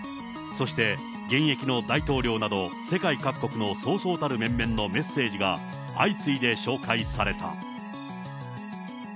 そして現役の大統領など世界各国のそうそうたる面々のメッセージが相次いで紹介された。